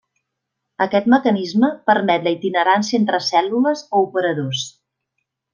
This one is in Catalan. Aquest mecanisme permet la itinerància entre cèl·lules o operadors.